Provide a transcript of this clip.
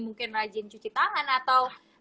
mungkin rajin cuci tangan atau